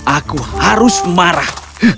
aku harus marah